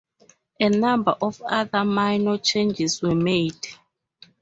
A number of other minor changes were made.